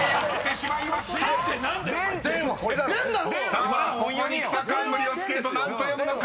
［さあここにくさかんむりをつけると何と読むのか］